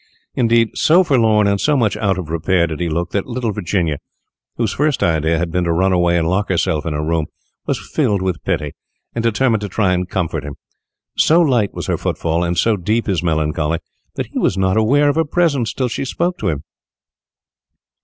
Indeed, so forlorn, and so much out of repair did he look, that little Virginia, whose first idea had been to run away and lock herself in her room, was filled with pity, and determined to try and comfort him. So light was her footfall, and so deep his melancholy, that he was not aware of her presence till she spoke to him.